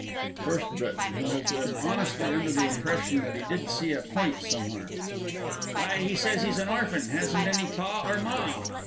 FIRST B. (who has been honestly under the impression that he did see a point somewhere). Why, he says he's an orphan hasn't any Pa nor Ma.